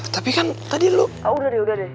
tapi kan tadi lo